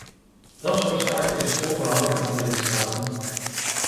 Dat soort zaken is voorbehouden aan de lidstaten.